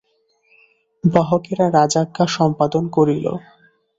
বাহকেরা রাজাজ্ঞা সম্পাদন করিল।